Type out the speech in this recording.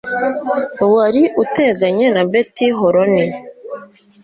wari uteganye na Beti Horoni